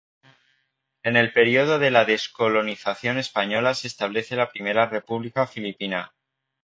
En el periodo de la descolonización española se establece la Primera República Filipina.